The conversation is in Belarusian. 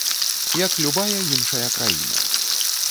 Як любая іншая краіна.